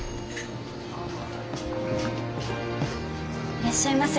いらっしゃいませ。